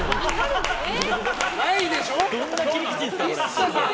ないでしょ！